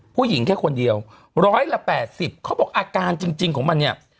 ผู้หญิงแค่คนเดียวร้อยละ๘๐เขาบอกอาการจริงของมันเนี่ย